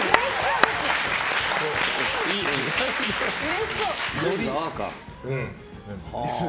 うれしそう！